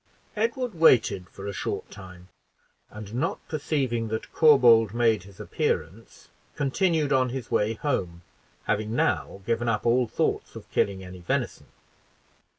Edward waited for a short time, and not perceiving that Corbould made his appearance, continued on his way home, having now given up all thoughts of killing any venison.